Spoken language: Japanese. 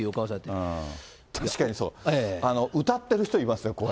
確かにそう、歌ってる人いますからね。